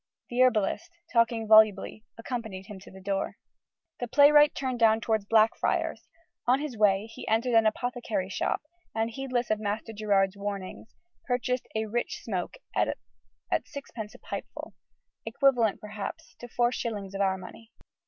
The herbalist, talking volubly, accompanied him to the door. The playwright turned down towards Blackfriars: on his way he entered an apothecary's shop, and, heedless of Master Gerard's warnings, purchased a "rich smoke" at sixpence a pipeful (equivalent to, perhaps, four shillings of our money).